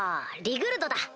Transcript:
「リグルド」！